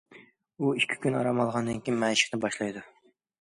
ئۇ ئىككى كۈن ئارام ئالغاندىن كېيىن مەشىقنى باشلايدۇ.